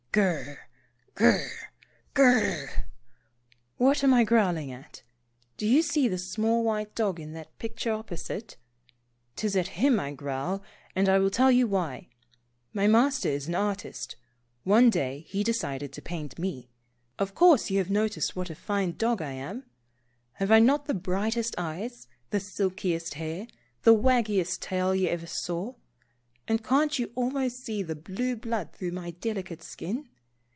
/^^ttrrr ! Gtirrrrr ! Gttrrrrrr! What am I ^^J^ growling at? Do you see the small white dog in that picture opposite — 'tis at him I growl, and I will tell you why. My Master is an artist. One day he decided to paint me. Of course you have noticed what a fine dog I am ? Have I not the brightest eyes, the silkiest hair, the waggiest tail you ever saw? And can't you almost see the blue blood through my delicate skin